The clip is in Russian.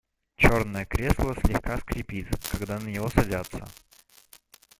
Черное кресло слегка скрипит, когда на него садятся.